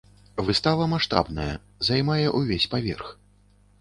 Выстава маштабная, займае ўвесь паверх.